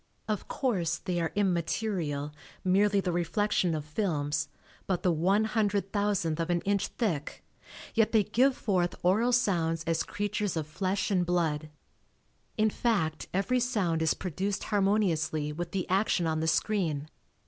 Of course, they are immaterial, merely the reflection of films, but the one hundred thousandth of an inch thick, yet they give forth oral sounds as creatures of flesh and blood. In fact every sound is produced harmoniously with the action on the screen.